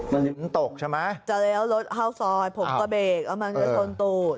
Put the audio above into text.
มันถึงตกใช่ไหมจะเลี้ยวรถเข้าซอยผมก็เบรกแล้วมันก็ชนตูด